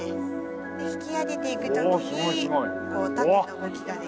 で引き上げていく時にこう縦の動きができるんです。